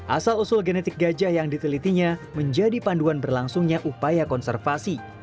asal usul genetik gajah yang ditelitinya menjadi panduan berlangsungnya upaya konservasi